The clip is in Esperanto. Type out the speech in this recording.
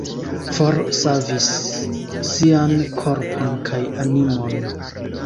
Forsavis sian korpon kaj animon.